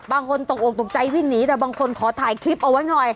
บางคนตกอกตกใจวิ่งหนีแต่บางคนขอถ่ายคลิปเอาไว้หน่อย